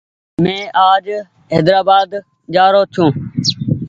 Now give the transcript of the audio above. مينٚ آج حيدرآبآد جآرو ڇوٚنٚ